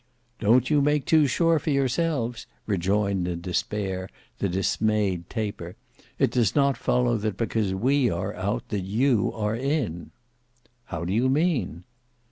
"Don't you make too sure for yourselves," rejoined in despair the dismayed Taper. "It does not follow that because we are out, that you are in." "How do you mean?"